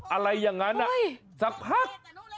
อะไรอย่างนั้นสักพัก